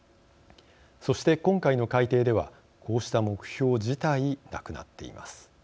そして、今回の改定ではこうした目標自体なくなっています。